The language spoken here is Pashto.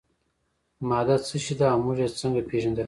ماده څه شی ده او موږ یې څنګه پیژندلی شو